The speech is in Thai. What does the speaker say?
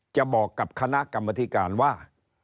จะบอกกับคณะกรรมธิการว่า